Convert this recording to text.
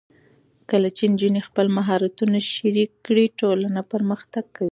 کله چې نجونې خپل مهارتونه شریک کړي، ټولنه پرمختګ کوي.